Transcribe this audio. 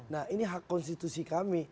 nah ini hak konstitusi kami